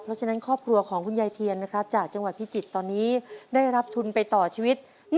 เพราะฉะนั้นครอบครัวของคุณยายเทียนนะครับจากจังหวัดพิจิตรตอนนี้ได้รับทุนไปต่อชีวิต